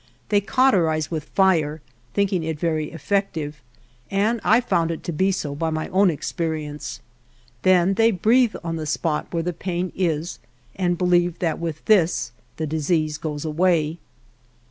They cauterize with fire, thinking it very effective, and I found it to be so by my own experience. Then they breathe on the spot where the pain is and believe that with this the disease goes away.